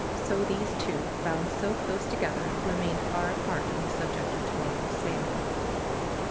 So these two, hound so close together, remained far apart on the sub ject of to morrow's sailing.